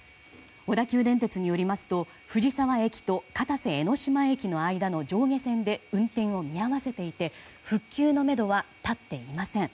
小田急電鉄によりますと藤沢駅と片瀬江ノ島駅の間の上下線で運転を見合わせていて復旧のめどは立っていません。